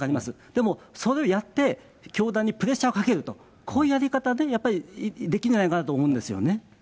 でも、それをやって、教団にプレッシャーをかけると、こういうやり方で、やっぱりできないのかなと思うんですよね。